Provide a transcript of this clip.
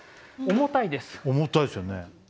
重たいっすよね。